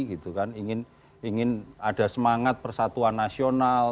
ingin ada semangat persatuan nasional